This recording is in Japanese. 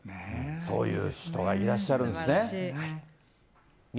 そういう人がいらっしゃるんですすばらしい。